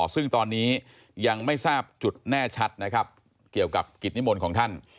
ซึ่งตอนนี้ยังไม่ทราบจุดแน่ชัดนะครับเกี่ยวกับกิจนิมนต์ของท่าน